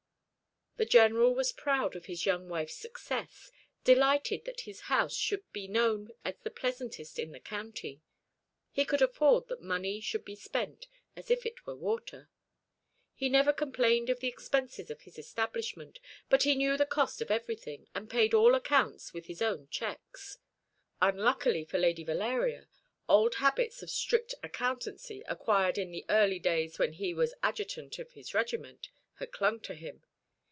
The General was proud of his young wife's success, delighted that his house should be known as the pleasantest in the county. He could afford that money should be spent as if it were water. He never complained of the expenses of his establishment, but he knew the cost of everything, and paid all accounts with his own cheques. Unluckily for Lady Valeria, old habits of strict accountancy, acquired in the early days when he was adjutant of his regiment, had clung to him.